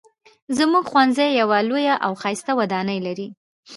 زموږ ښوونځی یوه لویه او ښایسته ودانۍ لري